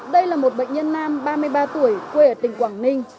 đây là một bệnh nhân nam ba mươi ba tuổi quê ở tỉnh quảng ninh